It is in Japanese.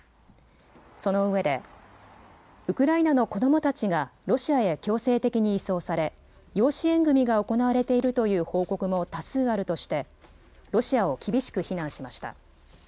そのうえでウクライナの子どもたちがロシアへ強制的に移送され養子縁組みが行われているという報告も多数あるとしてロシアを厳しく非難しました。